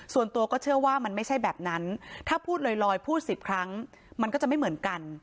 ส่วนตัวก็เชื่อว่ามันไม่ใช่แบบนั้นถ้าพูดลอยพูด๑๐ครั้งมันก็จะไม่เหมือนกัน